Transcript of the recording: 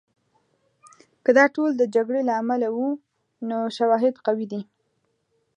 که دا ټول د جګړې له امله وو، نو شواهد قوي دي.